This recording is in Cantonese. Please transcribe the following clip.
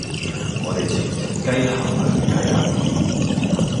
我地靜靜雞行埋去睇下佢點